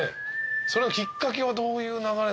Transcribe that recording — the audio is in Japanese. それはきっかけはどういう流れなんですか？